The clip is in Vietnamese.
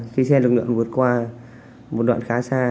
khi xe lực lượng vượt qua một đoạn khá xa